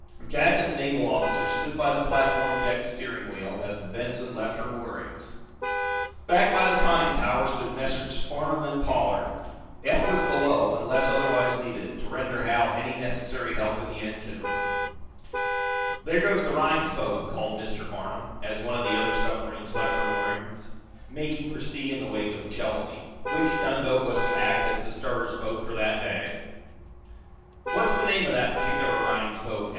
Jack and the naval officer stood by the platform deck steering wheel as the "Benson" left her moorings. Back by the conning tower stood Messrs. Farnum and Pollard. Eph was below, until otherwise needed, to render Hal any necessary help in the engine room. "There goes the Rhinds boats" called Mr Farnum, as one of the other submarines left her moorings, making for sea in the wake of the "Chelsea," which gunboat was to act as the starter's boat for that day. "What's the name of that particular Rhinds boat?"